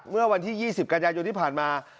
เมื่อวันที่๒๐กันยายนที่ผ่านมา